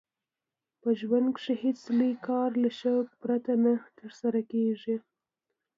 په ژوند کښي هېڅ لوى کار له شوقه پرته نه ترسره کېږي.